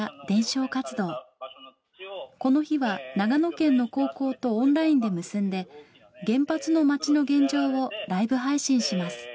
この日は長野県の高校とオンラインで結んで原発の町の現状をライブ配信します。